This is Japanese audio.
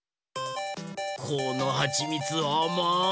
このはちみつあまい！